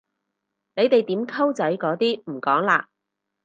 你哋點溝仔嗰啲唔講嘞？